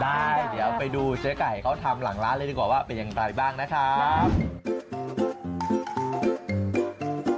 ได้เดี๋ยวไปดูเจ๊ไก่เขาทำหลังร้านเลยดีกว่าว่าเป็นอย่างไรบ้างนะครับ